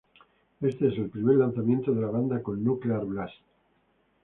Este es el primer lanzamiento de la banda con Nuclear Blast.